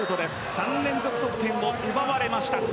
３連続得点を奪われました。